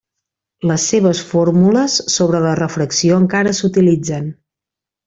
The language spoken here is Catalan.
Les seves fórmules sobre la refracció encara s'utilitzen.